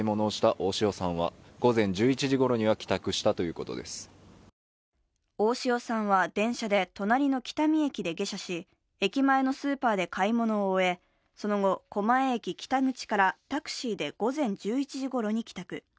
大塩さんは電車で隣の喜多見駅で下車し、駅前のスーパーで買い物を終え、その後、狛江駅北口からタクシーで午前１１時ごろに帰宅。